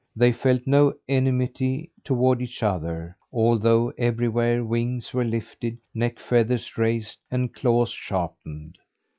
They felt no enmity toward each other, although, everywhere, wings were lifted, neck feathers raised and claws sharpened.